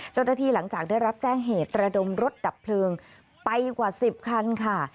หลังจากได้รับแจ้งเหตุระดมรถดับเพลิงไปกว่า๑๐คันค่ะ